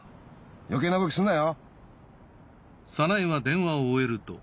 余計な動きすんなよ！